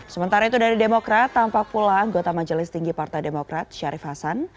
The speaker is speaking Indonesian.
sementara itu dari demokrat tampak pula anggota majelis tinggi partai demokrat syarif hasan